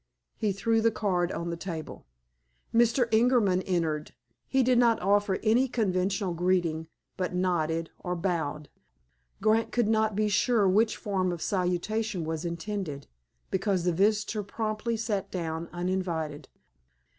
He threw the card on the table. Mr. Ingerman entered. He did not offer any conventional greeting, but nodded, or bowed. Grant could not be sure which form of salutation was intended, because the visitor promptly sat down, uninvited.